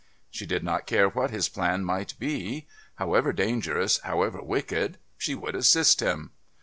She did not care what his plan might be; however dangerous, however wicked, she would assist him.